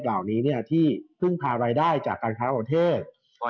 ก็พืมพารายได้จากบันค้าประเทศ